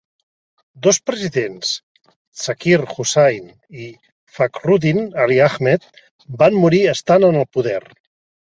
Dos presidents, Zakir Husain i Fakhruddin Ali Ahmed, van morir estant en el poder.